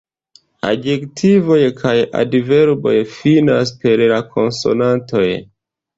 Adjektivoj kaj adverboj finas per konsonantoj.